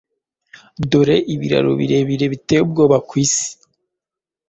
dore ibiraro biteye ubwoba birebire kwisi: